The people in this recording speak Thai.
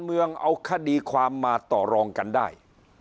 เมืองเอาคดีความมาต่อรองกันได้